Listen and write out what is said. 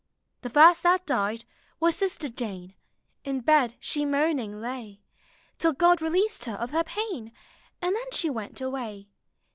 " The first that died was Sister Jane; In bed she moaning lay, Till (Jod released her of her pain; Aud then she went away.